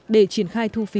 để triển khai thu phí